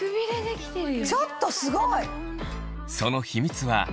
ちょっとすごい！